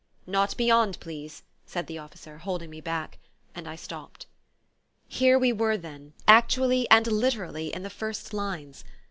"Not beyond, please," said the officer, holding me back; and I stopped. Here we were, then, actually and literally in the first lines!